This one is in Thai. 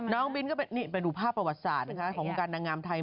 น้องบิ้นก็เป็นหูภาพประวัติศาสตร์ของโครงการนางงามไทย